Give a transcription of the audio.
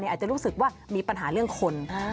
อาจจะรู้สึกว่ามีปัญหาเรื่องคน